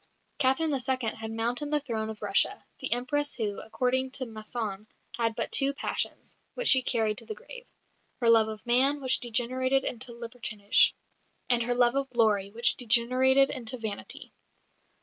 Catherine II. had mounted the throne of Russia the Empress who, according to Masson, had but two passions, which she carried to the grave "her love of man, which degenerated into libertinage; and her love of glory, which degenerated into vanity."